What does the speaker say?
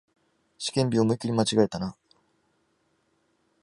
試験日、思いっきり間違えたな